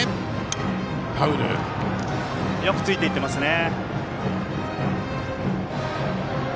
よくついていってますね。